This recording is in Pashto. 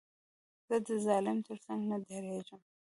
زه د ظالم تر څنګ نه درېږم.